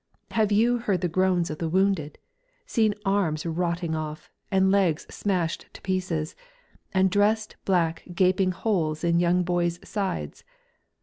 Have you heard the groans of the wounded, seen arms rotting off and legs smashed to pieces, and dressed black gaping holes in young boys' sides?